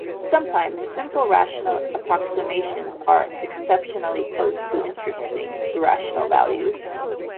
Sometimes simple rational approximations are exceptionally close to interesting irrational values.